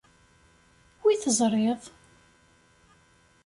Wi teẓṛiḍ?